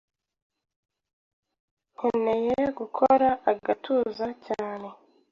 nkeneye gukora agatuza cyane